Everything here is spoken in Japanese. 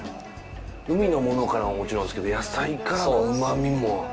海のものからももちろんですけど野菜からも旨みも。